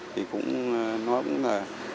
thì cũng nó cũng là